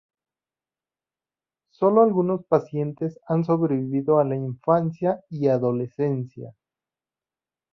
Solo algunos pacientes han sobrevivido a la infancia y adolescencia.